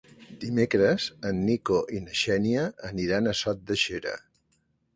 Dimecres en Nico i na Xènia aniran a Sot de Xera.